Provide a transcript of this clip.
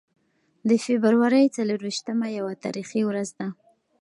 د فبرورۍ څلور ویشتمه یوه تاریخي ورځ ده.